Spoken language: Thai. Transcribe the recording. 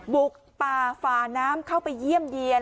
บุกป่าฝาน้ำเข้าไปเยี่ยมเดียน